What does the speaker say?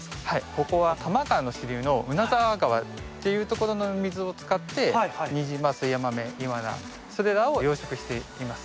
ここは多摩川の支流の海沢川っていうところの水を使ってニジマスヤマメイワナそれらを養殖しています。